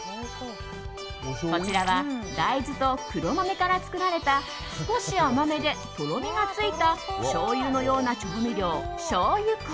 こちらは大豆と黒豆から作られた少し甘めで、とろみがついたしょうゆのような調味料、醤油膏。